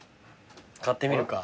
買ってみるか。